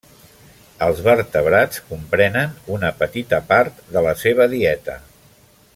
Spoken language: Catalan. Els vertebrats comprenen una petita part de la seva dieta.